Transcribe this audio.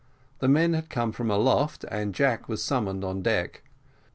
The men had come from aloft, and Jack was summoned on deck.